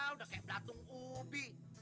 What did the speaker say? udah kayak beratung upah